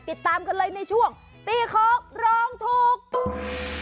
ติดตามกันเลยในช่วงตี้โค๊กรองถุ๊บ